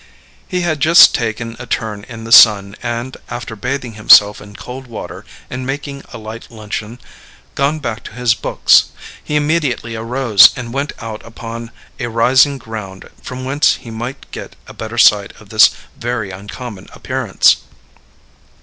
He had just taken a turn in the sun and, after bathing himself in cold water and making a light luncheon, gone back to his books; he immediately arose and went out upon a rising ground from whence he might get a better sight of this very uncommon appearance.